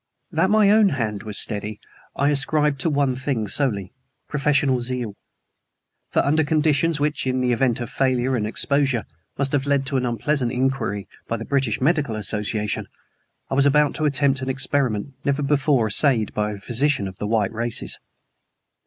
That my own hand was steady I ascribed to one thing solely professional zeal. For, under conditions which, in the event of failure and exposure, must have led to an unpleasant inquiry by the British Medical Association, I was about to attempt an experiment never before essayed by a physician of the white races.